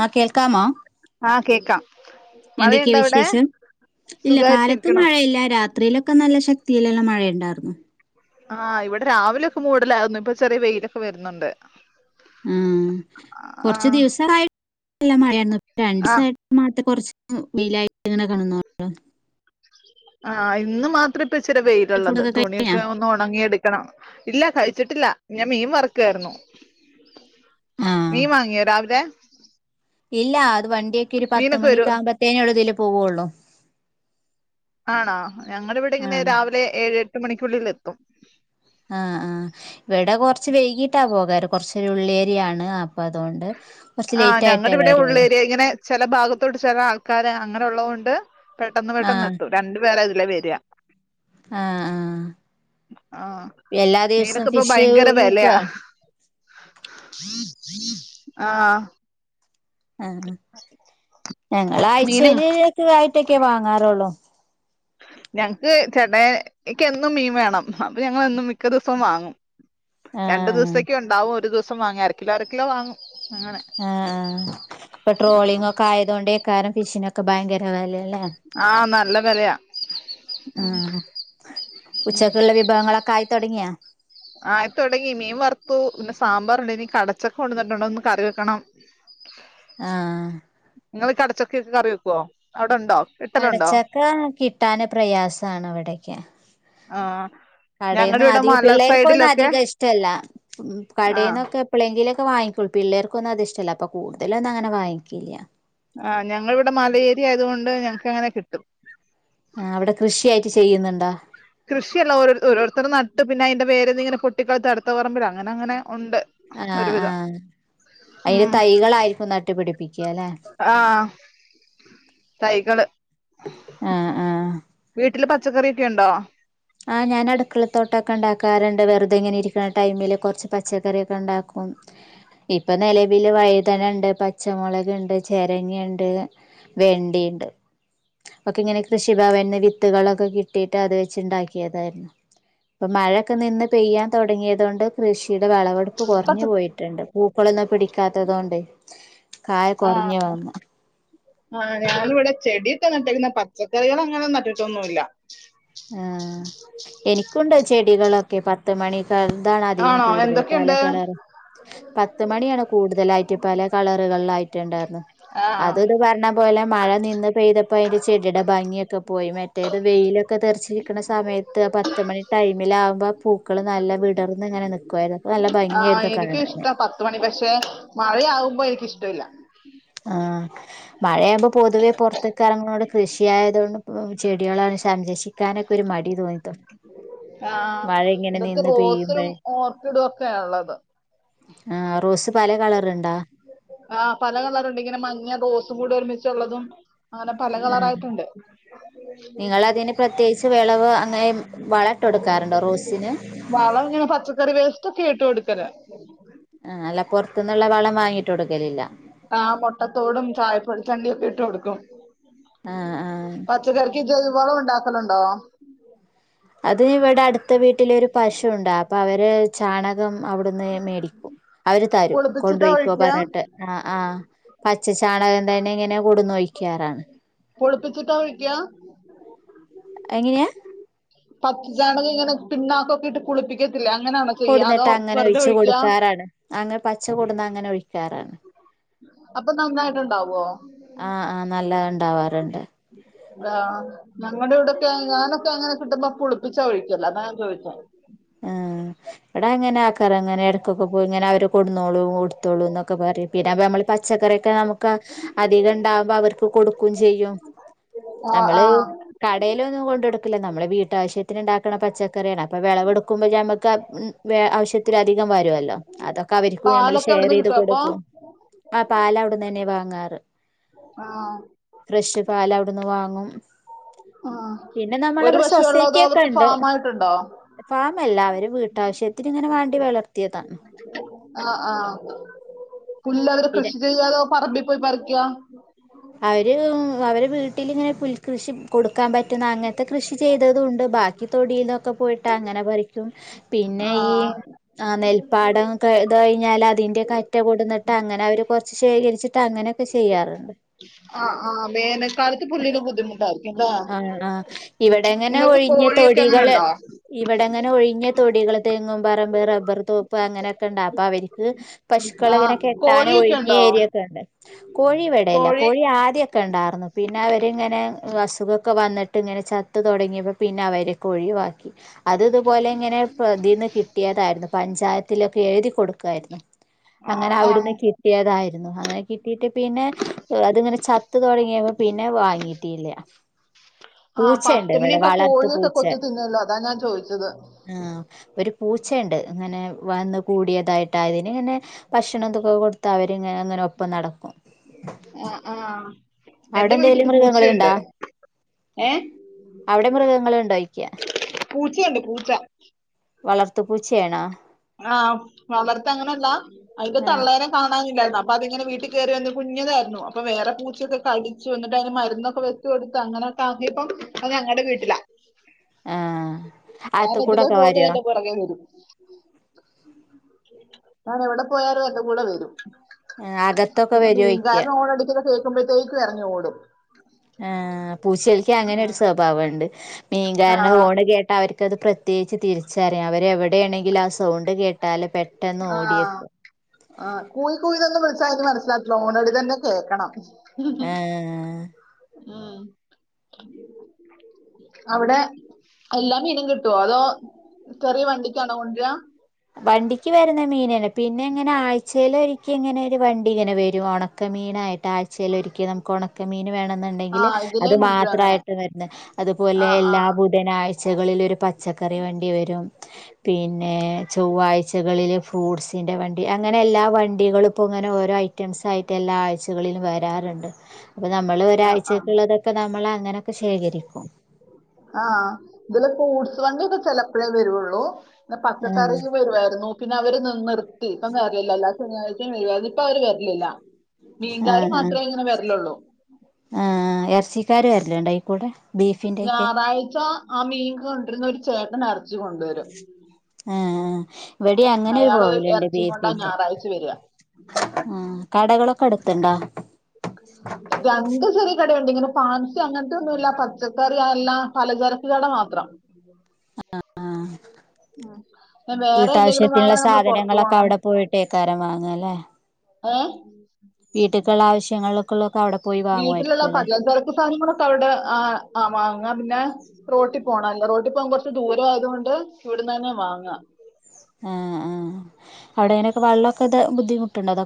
ആഹ് കേൾക്കാമോ കേൾക്കാം എന്തെക്കെ വിശേ സുഖായിട്ടിരിക്കണോ ത്തിലെല്ലാ മഴണ്ടെർന്നു ആഹ് ഇവിടെ രാവിലെക്കെ മൂടലാ ഇപ്പോ ചെറിയ വെയിലൊക്കെ വരുന്നുണ്ട് ഉം... കുറച്ചു ആഹ് ദിവസായിട്ട് ല്ല മഴെർന്നു ആഹ് രണ്ടീസായിട്ട് മാറ്റ കോർച്ചിൽ വെയിലായിട്ട് ഇങ്ങനെ [unintelligible] ആഹ് ഇന്ന് മാത്രം ഇച്ചിരി വെയിലുള്ളത് ഫുഡൊക്കെ കഴിഞ്ഞാ? തുണിയൊക്കെ ഒന്ന് ഉണങ്ങി എടുക്കണം ഇല്ല കഴിച്ചിട്ടില്ല ഞാൻ മീൻ വറക്കായിരുന്നു ആഹ് മീൻ വാങ്ങിയോ രാവിലെ? ഇല്ല അത് വണ്ടിയൊക്കെ ഒരു പത്ത് മീനൊക്കെ വരോ മണിക്ക ആകുമ്പത്തനെള്ളു ഇതിൽ പോവള്ളൂ ആണോ ഞങ്ങളിവിടെ ഇങ്ങനെ രാവിലെ ഏഴ്ട്ട് എട്ട് മണിക്കുള്ളിൽ എത്തും ആഹ് ആഹ് കൊറച്ചൊരു ഉള്ളേരിയാണ് അപ്പം അതുകൊണ്ട് കുറച്ച് ആ ലേറ്റ് ഞങ്ങടെ ആയിട്ടേ ഇവിടെ വരുള്ളൂ ഉള്ളേരിയ ഇങ്ങനെ ചെല ഭാഗത്തോട്ട് ചെല ആൾക്കാര് അങ്ങനള്ളതൊണ്ട് ണ്ട് പെട്ടെന്ന് പെട്ടെന്ന് എത്തും രണ്ടു പേര വര ആ ആ ആഹ് എല്ലാ ദിവസവും മീനൊക്കെ ഇപ്പൊ ഫിഷ് ഭയങ്കര വിലയാ [unintelligible] ആ ആ മീനും ഞങ്ങളാഴ്ചയില്ക്കെ [unintelligible] ഇത്രയൊക്കെ വാങ്ങാറുള്ളൂ. ഞങ്ങക്ക് ചേട്ടായിക്ക് എന്നും മീൻ വേണം, അപ്പൊ ഞങ്ങള് എന്നും മിക്കദിവസവും വാങ്ങും. രണ്ടു ദിവസേക്കും ആ ഉണ്ടാവും ഒരു ദിവസം. സം വാങ്ങി അരകിലോ അരകിലോ വാങ്ങും. അങ്ങനെ ആഹ് ആഹ് ട്രോളിംഗ് ഒക്കെ ആയതേണ്ടേ. [unintelligible] മിഷൻ ഒക്കെ ഭയങ്കര വിലയാ. അല്ലെ ആഹ് നല്ല വെലയാ ഉം ആഹ് ഉച്ചക്കുള്ള വിഭവങ്ങളൊക്കെ ആയിത്തൊടങ്ങിയോ. ആയിത്തുടങ്ങി മീൻ വറുത്തു, പിന്നെ സാമ്പാറുണ്ടെന്ന് കടച്ചക്ക കൊണ്ടന്നിട്ടുണ്ടെന്ന് ഒന്ന് കറി വെക്കണം. ആ ഇങ്ങള് കടച്ച ക്ക കറി വെക്കോ അവിടെണ്ടോ? കടച്ചക്ക കിട്ടാൻ പ്രയാസയാണ് അവിടേക്ക്. ആഹ് ഞങ്ങടെ കടന്ന് ഇവിടെ ആദ്യ മല പിള്ളേർക്കൊന്നും സൈഡിലൊക്കെ അധികം ഇഷ്ടല്ല, ആഹ് കടന്നൊക്കെ എപ്പോഴെങ്കിലും. ഇപ്പൊ വാങ്ങിക്കും പിള്ളേക്കൊന്നും അത് ഇഷ്ടല്ല, അപ്പൊ കൂടുതലുയൊന്നും അങ്ങനെ വാങ്ങിക്കില്ല. ആഹ് ഞങ്ങൾ ഇവിടെ മല ഏരിയ ആയതുകൊണ്ട് ഞങ്ങക്ക് അങ്ങനെ കിട്ടും. ആഹ് അവിടെ കൃഷിയായിട്ട് ചെയ്യുന്നുണ്ടോ? കൃഷിയല്ല ഓ ഓരോരുത്തർ നട്ട് പിന്നെ അതിന്റെ വേര് ഇങ്ങനെ പൊട്ടി കിളർത്ത് അടുത്ത പറമ്പിലെ അങ്ങനെ അങ്ങനെ. ഉണ്ട് ആ ആ ഒരുവിധം അയിന്റെ ഉം തൈകളായിരിക്കും നട്ടുപിടിപ്പിക്കുകല്ലേ ആഹ് തൈകള് ആ ആ വീട്ടില് പച്ചക്കറിയൊക്കെ ഒണ്ടോ ആ ഞാൻ അടുക്കള തോട്ടൊക്കെ ഒണ്ടാക്കാറ്ണ്ട് വെറുതെ അതിങ്ങനെ ഇരിക്കുന്ന ടൈമില് കുറച്ച് പച്ചക്കറിയൊക്കെ ഉണ്ടാക്കും ഇപ്പൊ നിലവില് വൈതന ഇണ്ട് പച്ചമൊളക്, ഇണ്ട് ചിരങ്ങ ഇണ്ട് വെണ്ട ഇണ്ട് ഒക്കെ ഇങ്ങനെ കൃഷിഭവനിന്ന് വിത്തുകളൊക്കെ കിട്ടിയിട്ട് അത് വെച്ച് ഇണ്ടാക്ക ആയിരുന്നു ഇപ്പൊ മഴൊക്കെ നിന്ന് പെയ്യാൻ തുടങ്ങിയത് കൊണ്ട് കൃഷ് യുടെ വെളവെടുപ്പ് പച്ച കുറഞ്ഞു പോയിട്ടുണ്ട് പൂക്കളൊന്നും പിടിക്കാത്തത് കൊണ്ട് കായ ആഹ് കൊറഞ്ഞ് വന്നു ആഹ് ഞാനിവിടെ ചെടിയൊക്കെ നട്ടേക്കുന്ന പച്ചക്കറികൾ അങ്ങനെ നട്ടിട്ടൊന്നുമില്ല ആ എനിക്കുണ്ട് ചെടികളൊക്കെ പ ത്ത് മണി [unintelligible] അധികം ആണോ കൂടുതല് പല എന്തൊക്കെയുണ്ട് കളറും പത്തുമണിയാണ് കൂടുതലായിട്ട് പല കളറുകളിലായിട്ടുണ്ടായിരുന്നു ആഹ് അത് ഇത് പറഞ്ഞ പോലെ മഴ നിന്ന് പെയ്തപ്പോ അതിന്റെ ചെടിയുടെ ഭംഗിയക് ക്കെ പോയി മറ്റേത് വെയിലെ ക്കെ തെറിച്ചിരിക്കണ സമയത്ത് പത്തുമണി ടൈമിലാവുമ്പോ പൂക്കള് നല്ല വിട ആ എനിക്കും ഇഷ്ട കാണാന് പത്ത് മണി പക്ഷെ മഴയാവുമ്പോ എനിക്കിഷ് ട്ടല്ല ആ മഴയാകുമ്പോ പൊതുവെ പൊറത്തെ കാര്യങ്ങളോട് കൃഷി ആയത് കൊണ്ട് ചെടികള സംരക്ഷിക്കാനൊക്കെ ഒരു മടി തോന്നി തൊട ആ ഇതൊക്കെ റോസും ഓർക്കിഡും ഒക്കെയ ഇള്ളത് ആ റോസ് പല കളർ ഇണ്ടാ ആ പല കളറുണ്ട് ഇങ്ങനെ മഞ്ഞ റോസും കൂടി ഒരുമിച്ചുള്ളതും അങ്ങനെ പല ആ കളറായിട്ടുണ്ട് നിങ്ങളതിന് പ്രത്യേകിച്ച് വള അപ്പോൾ അങ്ങനെ വളം ഇട്ട് കൊടുക്കാറുണ്ടോ റോസിന് വളം ഇങ്ങനെ പച്ചക്കറി വേസ്റ്റ് ഒക്കെയാ ഇട്ട് കൊടുക്കല് ആ അല്ല പൊറത്ത് നിന്നുള്ള വളം വാങ്ങിയിട്ട് കൊടുക്കലില്ല ആ മൊട്ടത്തോടും ചായപ്പൊടിച്ചണ്ടിയും ഒക്കെ ഇട്ട് കൊടുക്കും ആ പച്ചകറിക്ക് ജൈവവളം ഇണ്ടാക്കലുണ്ടോ അത് ഇവിടെ അടുത്ത വീട്ടിലൊരു പശുണ്ട് അപ്പൊ അവര് ചാണകം അവിടുന്ന് മേടിക്കും അവര് തരും കൊണ്ട് പുളിപ്പിച്ചിട്ടാ പോയിക്കൊ ഒഴിക്ക പറഞ്ഞിട്ട് ച്ച ചാണകം തന്നെ ഇങ്ങനെ കൊണ്ടന്ന് ഒയിക്കാറാണ് പുളിപ്പിച്ചിട്ടാ ഒഴിക്കിയ എങ്ങനെയാ പച്ച ചാണകം ഇങ്ങനെ പിണ്ണാക്കൊക്കെ ഇട്ട് പുളിപ്പിക്ക കൊടുന്നിട്ട് അങ്ങനെ ഒഴിച്ച് കൊടുക്കാറാണ് അങ്ങനെ പച്ച കൊടുന്ന അങ്ങനെ ഒഴിക് കാറാണ് അപ്പൊ നന്നായിട്ടുണ്ടാവോ ആ ആ നല്ല ഇണ്ടാവാറുണ്ട് അതാ ഞങ്ങളുടെ ഇവിടെക്കെ ഞാനൊക്കെ അങ്ങനെ കിട്ടുമ്പോ പുളിപ്പിച്ചാ ഒഴിക്കല് അതാ ഞാൻ ചോദിച്ചേ എടാ അങ്ങനെക്കാരം എടക്കൊക്കെ പോയി അവര് കൊടുന്നോളും ഇട്ത്തോളുംന്നൊക്കെ പറിം പച്ചക്കറി ഒക്കെ നമക്ക് അതികം ഉണ്ടാവുമ്പോ അവർക്ക് കൊടു- ക്കും ചെയ്യും ആ ആ ഞമ്മള് കടെലൊന്നും കൊണ്ടോ ഞമ്മളെ വിട്ടാവ വീട്ടിലുണ്ടാക്കണം പച്ചക്കറിയാണ് അപ്പ വിളവെടു ഞമുക്ക് ഉം ആവശ്യത്തിൽ അധികം വരുമല്ലോ. അതൊക്കെ അവർക്ക് മ്മള് പാലൊക്കെ ഷെയർ അവിടുന്ന് ചെയ്ത് കിട്ടോ അപ്പൊ കൊടുക്കും. ആ പാല് അവിടുന്ന് തന്നെ വാ ങ്ങാറ്. ആഹ് ഫ്രഷ് പാലവിടുന്ന് വാങ്ങും, ആ പിന്നെ ഒരു നമ്മളവിടെ പശു ഒള്ളോ സൊസൈറ്റി അതോ ഒക്കെ അവർക്ക് ഉണ്ട് ഫാമായിട്ടുണ്ടോ? ഫാമല്ല അവര് വീട്ടാവശ്യത്തിന് ഇങ്ങനെ വാണ്ടി വളർത്തിയതാ. എല്ലാവരും കൃഷി ചെയ്യാ അതോ പറമ്പിൽ പോയി പറിക്ക? അവര് അവരെ വീട്ടിലിങ്ങനെ പുൽ കൃഷി കൊടുക്കാൻ പറ്റുന്ന അങ്ങനത്തെ കൃഷി ചെയ്തതും ഉണ്ട് ബാക്കി തൊടിൽന്നൊക്കെ പോയിട്ട് അങ്ങനെ പറിക്കും. പിന്നെ ഈ ആ ആ നെൽപ്പാടംക്കെ കഴിഞ്ഞാൽ അതിന്റെ കറ്റ കൊടന്നിട്ട് അങ്ങനെ അവര് കുറച്ച് ശേഖരിച്ചിട്ട് അങ്ങനെയൊക്കെ ചെയ്യാറുണ്ട്. ആഹ് ആ വേനകാലത്തി പുല്ലിന് ബുദ്ധിമു ആ ആ ഇവിടെങ്ങനെ നിങ്ങൾക്ക് ഒഴിഞ്ഞ കോഴിയൊക്കെ അങ്ങനെ തൊടികള് ഉണ്ടോ ഇവിടെങ്ങനെ ഒഴിഞ്ഞ തൊടികള് തേങ്ങും പറമ്പ് റബ്ബർ തോപ്പ് അങ്ങനെയൊക്കെ ഉണ്ടാവും അപ്പൊ അവർക്ക് പശുക്കൾ ആ ഇങ്ങനെ കെട്ടാൻ കോഴിയൊക്കെ ഒഴിഞ്ഞ ഉണ്ടോ ഏരിയൊക്കെ ഉണ്ട്. കോഴി ഇവിടെയില്ല കോഴി ആദ്യമൊക്കെ ഉണ്ടായിർന്നു. പിന്നെ അവരിങ്ങനെ വസ് സുഖൊക്കെ വന്നിട്ട് ഇങ്ങനെ ചത്ത്തുടങ്ങിയപ്പോ പിന്നെ അവരെക്ക ഒഴിവാക്കി അത് ഇതുപോലെ ഇങ്ങനെ പ്രതീന്ന് കിട്ടിയതായിരുന്നു പഞ്ചായത്തിലൊക്കെ എഴുതി കൊടുക്കായിരുന്നു. ആ അങ്ങനെ ആ അവിടുന്ന് കിട്ടിയതായി- രുന്നു അങ്ങനെ കിട്ടിയിട്ട് പിന്നെ അത്ങ്ങനെ ചത്ത് തുടങ്ങിയപ്പോ പിന്നെ വാങ്ങീട്ടില്ല ആഹ പത്തുമണിയൊക്കെ കോഴൊക്കെ പൂച്ച കൊത്തു തിന്നോല്ലോ അതാ ഞാൻ ചോദിച്ചത്. പൂച്ചയ്ണ്ട് ഇങ്ങനെ വന്ന് കൂടിയതായിട്ടാ അതിന് ഇങ്ങനെ ഭക്ഷണംന്തൊക്കെ കൊടുത്ത അവരിങ്ങനെ അങ്ങനെ ഒപ്പം നടക്കും ആഹ ആഹ അവിടെ എന്റെ വീട്ടില് എന്തെലും പൂച്ചയുണ്ട് മൃഗങ്ങളുണ്ടോ ഏ അവിടെ മൃഗങ്ങളുണ്ടോ ചോദിക്ക പൂച്ചയുണ്ട് പൂച്ച വളർത്തു പൂച്ചേണാേ ആഹ് വളർത്തെ അങ്ങനെല്ല അതിന്റെ ആ തള്ളേനെകാണാനി- ല്ലായിരുന്നു അപ്പൊ അതിങ്ങനെ വീട്ടിൽ കയറി വന്ന് കുഞ്ഞതായിരുന്നു അപ്പൊ വേറെ പൂച്ചയൊക്കെ കടിച്ചുന്നിട്ട് അതിന് മരുന്നൊക്കെ വെച്ചു കൊടുത്ത് അങ്ങനെൊക്കെ ആക്കിയപ്പംഅത് ഞങ്ങടെ വീട്ടിലാ. ആ ഞാൻ അകത്ത് ഇതിലെ കൂടൊക്കെ പോന്ന് വരുവോ എന്റെ പുറകെ വരും ഞാൻ എവിടെ പോയാലും എന്റെ കൂടെ വരും അകത്തൊക്കെ വരോഴിക്യാ [unintelligible] മ്പോഴത്തേക്ക് ഇറങ്ങി ഓടും ആ പൂച്ചൽക്ക് അങ്ങനെ ഉം. ഒരു സ്വഭാവണ്ട് ആ മീൻകാരാന്റെ ഹോണ് കേട്ടാ അവർ ത് പ്രത്യേകിച്ച് തിരിച്ചറിയാം അവരെ എവിടെയാണെങ്കിൽ ആ സൗണ്ട് കേട്ടാലും ആ ആ കൂയ് കൂയ് ന്നോന്നും വി ത് മനസ്സിലാകണം ഓണടി തന്നെ കേൾക്കണം ഹേ ഉം അവിടെ എല്ലാ മീനും കിട്ടുവോ അതോ ചെറിയ വണ്ടിക്കാണോ കൊണ്ടരാ വണ്ടിക്ക് വരുന്ന മീനന്നെ പിന്നെ ഇങ്ങനെ ആഴ്ചെല് ഒരിക്ക ഇങ്ങനെ ഒരു വണ്ടി ഇങ്ങനെ വരും ഒണക്കമീനായിട്ട് ആഴ്ചയിൽ ഒരിക്കൽ നമുക്ക് ഒണക്കമീൻ വേണം ആ ണ്ടെങ്കില് അത് ഇതിലേം കൊണ്ടുവരാ അങ്ങനെ മാത്രയിട്ട് വന്ന് അതുപോലെ ആ ആ എല്ലാ ബുധനാഴ്ചകളിലും ഒരു പച്ചക്കറി വണ്ടി വരും പിന്നെ ചൊവ്വാഴ്കളില് ഫ്രൂട്ട്സിന്റെ വണ്ടി അങ്ങനെ എല്ലാ വണ്ടികളും അപ്പോ ഇങ്ങനെ ഓരോ ഐറ്റംസാ ആയിട്ട് എല്ലാ ആഴ്ചകളിലും വരാറ്ണ്ട് അപ്പോ നമ്മള് ആ ആ ഒരാഴ്ചക്കുള്ളതൊക്കെ നമ്മള് അങ്ങനെ ശേഖരിക്കും ആ ഇതിലൊ ഫൂട്സ് വണ്ടിക്കെ ചെലപ്പോഴേ വരോള്ളൂ പച്ചക്കറി ആഹ് വരുവായിരുന്നു പിന്നെ അവര് നിർത്തി [unintelligible] ശനിയാഴ്ച വരുയിരുന്നു ഇപ്പൊ അവര് വരലില്ല ആ മീൻകാര് ആ മാത്രേ ഇങ്ങനെ വരലുള്ളൂ ആ എറച്ചിക്കാര് [unintelligible] അയ്ക്കൂടെ ഞാറാഴ്ച്ച ആ മീൻ കൊണ്ട് രുന്ന ഒരു ചേട്ടനാ എറച്ചി കൊണ്ട് വരും ആ ആ വെടി അങ്ങനെ ഒരു പോവല്ണ്ട് എറച്ചിയും കൊണ്ടാ ബിഫിന്റെ ഞായറാഴ്ച വരിക ആ കടകളൊക്കെ അ ത്ണ്ടാ രണ്ട് ചെറിയ കടയുണ്ടങ്കിലും ഫാൻസി അങ്ങൻത്തെന്നും ഇല്ല പച്ചക്കറി എല്ലാ പലചരക്ക് കട മാത്രം ആഹ് പിന്നെ വേറെ എന്തെങ്കിലും വീട്ടാവശ്യത്തിനുള്ള വാങ്ങണേ നമ്മള് പുറത്തു സാധനങ്ങളൊക്കെ പോണം അവിടെ പോയിട്ടേക്കാരം വാങ്ങല്ലേ ഏ വീട്ടിക്കുള്ള ആവശ്യങ്ങൾക്കുള്ളൊക്കെ അവിടെ പോയി വീട്ടിലുള്ള വാങ്ങുമായിരിക്കുംല്ലേ പല ചരക്ക് സാധനങ്ങളൊക്കെ അവിടെ ആ വാങ്ങ പിന്നെ റോട്ടി പോണ ല്ലേ റോട്ടി പോകാൻ കൊറച്ച് ദൂര ആയത് കൊണ്ട് ഇവിടന്ന് തന്നെ വാങ്ങാ ആഹ ആഹ അവിടെ എങ്ങനൊക്ക വെള്ളൊക്കെ ബുദ്ധിമുണ്ട് അതൊ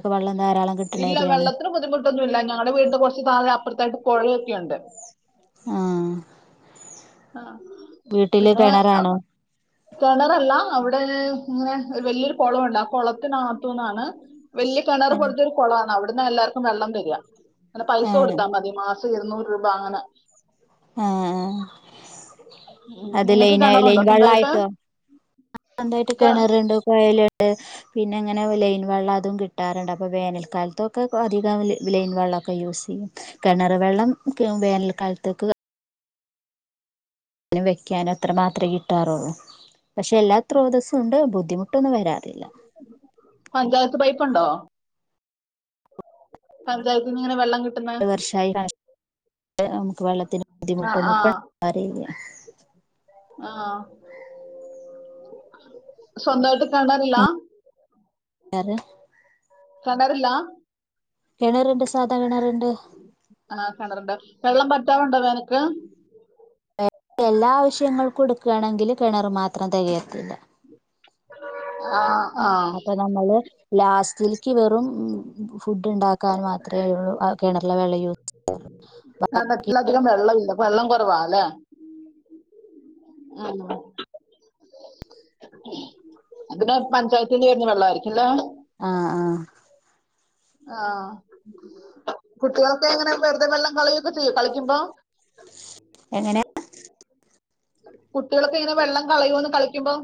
ഇല്ല വെള്ളത്തിന് ബുദ്ധിമുട്ടൊന്നും ഇല്ല ഞങ്ങളുടെ വീടിന്റെ കുറച്ച് തായെ അപ്പുറത്തായിട്ട് കോഴലൊക്കെയുണ്ട് ആ ആ പിന്നെ കിണറാണോ കിണറല്ല അവിടെ അങ്ങനെ ഒരു വല്യൊരു കുളിമുണ്ട് ആ കുളത്തിനകത്തുന്നാണ് വലിയ കിണർ ആഹ് പോലത്തെ ഒരു കുള ആണ് അവി അവിടുന്ന് എല്ലാവർക്കും വെള്ളം തരിക അല്ല പൈസ ആഹ് കൊടുത്താ മതി മാസ് ഇരുന്നൂറ് രൂപ അങ്ങനെ ഏഹ് ഉം. അത് നിങ്ങൾക്ക് ലൈന് ലൈൻ കിണറുണ്ടോ സ്വന്തമായിട്ട് വെള്ളായിട്ടോ സ്ന്തായിട്ട് ക- കിണറുണ്ട് കൊയൽ ണ്ട് പിന്നെ ഇങ്ങനെ ലൈൻ വെള്ളം അതും കിട്ടാറുണ്ട് അപ്പൊ വേനൽക്കാലത്തൊക്കെ അധികം ലൈൻ വെള്ളമൊക്കെ യൂസ് ചെയ്യും കിണർ വെള്ളം വേനൽക്കാലത്ത്ക്ക് നും വെക്കാനും അത്ര മാത്രമേ കിട്ടാറുള്ളൂ പക്ഷെ എല്ലാ ത്രോതസ്സും ഉണ്ട് ബുദ്ധിമു പഞ്ചായത്ത് പൈപ്പുണ്ടോ പഞ്ചായത്തിൽ ഇങ്ങനെ വെള്ളം കി ഒരു വർഷമായി കണ നമുക്ക് വെള്ളത്തിന് ആ ബുദ്ധിമുട്ടൊന്നും ആ ഇപ്പ അറില്ല ആ സ്വന്തമായിട്ട് കെണറില്ല ആറ് കണറില്ല കെണർണ്ട് സാധാ കെണർണ്ട് ആ കിണറുണ്ട് വെള്ളം വറ്റാറുണ്ടോ വേനൽക്ക് എല്ലാ ആവശ്യങ്ങള് കൊടുക്കുകയാണെങ്കില് കിണറ് മാത്രം തികയത്തില്ല ആ അപ്പൊ നമ്മള് ലാസ്റ്റിലേക്ക് വെറും ഫുഡ് ഉണ്ടാക്കാൻ മാത്രമേ ഉള്ളൂ അ കിണ അറ്റിലധികം വെള്ള ഇല്ല വെള്ളം കുറവാ അല്ലേ ആണോ അതിന് പഞ്ചായത്തിൽ വരുന്ന വെള്ളമായിരിക്കല്ലോ ആ ആ ആ കുട്ടികൾക്കെ എങ്ങനെ വെറുതെ വെള്ളം കളിയൊക്കെ ചെയ്യോ കളിക്കുമ്പോ എങ്ങനെ കുട്ടികളൊക്കെ ഇങ്ങനെ വെള്ളം കളയുമന്ന് കളിക്കുമ്പം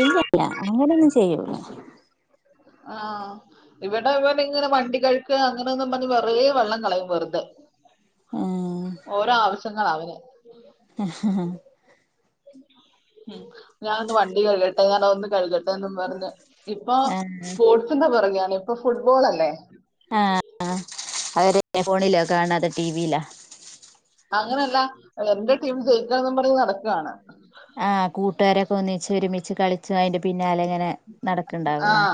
ഇല്ലയില്ല അങ്ങനൊന്നും ചെയ്യൂല ആ ഇവടെ ഇവർടെയിങ്ങനെ വണ്ടികഴുക്ക് അങ്ങനെന്നും. ആ ഓരോആവശ്യങ്ങളാ അവന് ആഹ്ഹ്ആ ഞാൻന്ന് വണ്ടി കഴുകട്ടെ ഞാനൊന്നു കഴുകട്ടേന്നും പറഞ്ഞ് ഇപ്പോ സ്പോർട്സിന്റി പുറകെ ഇപ്പോ ഫുട്ബോളല്ലേ ആ ആ അവരെ [inaudible] ഫോണിലോ കാണ്ആ അതോ ടീവീലാ നിങ്ങളെന്താ അല്ല എൻ്റെ ടീം ജയിക്കാന്നും പറഞ്ഞ് നടക്കാണ് കളിച്ചായ്ൻ്റും പിന്നാലഞ്ഞ്ഞാനെ നടക്ക്ൺണ്ടാവും ആ ഇല്ലേ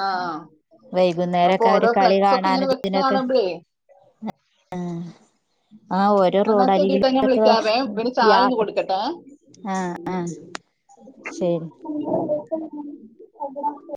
ആ അപ്പൊ വൈകുന്നേരെക്കെ അവര് ഓരോ ഫ്ലെക്സ് ഒക്കെ ഇങ്ങനെ വെച്ച് കളികാണാന്ജ് കാണുമ്പോഴേ [unintelligible] ആ ഒര് എന്നാ ശരി റോഡരികിലി കേട്ടോ ഞാൻ വിളിക്കാവേ ഇവന് [inaudible] ചായ ഒന്ന് യാത്ര കൊടുക്കട്ടെ ആ ആ ശെരി [unintelligible]